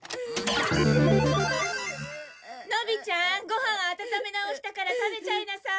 のびちゃんご飯温め直したから食べちゃいなさい。